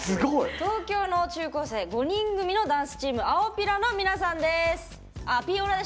東京の中高生５人組のダンスチームアピオラの皆さんです。